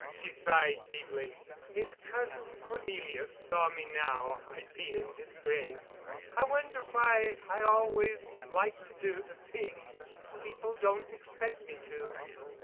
She sighed deeply. "If Cousin Cornelius saw me now I'd be in disgrace. I wonder why I always like to do the things people don't expect me to."